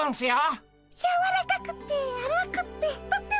やわらかくってあまくってとってもおいしいっピ。